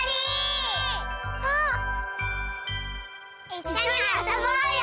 いっしょにあそぼうよ！